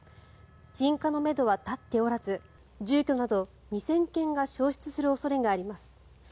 鎮火のめどは立っておらず住居など２０００軒が焼失する恐れがあります。